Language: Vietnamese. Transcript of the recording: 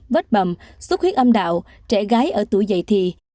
vết bầm xuất huyết âm đạo trẻ gái ở tuổi dày thì